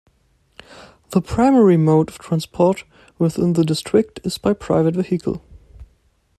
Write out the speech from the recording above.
The primary mode of transport within the District is by private vehicle.